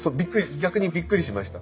逆にびっくりしました。